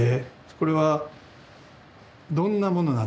これはどんなものなんでしょうね。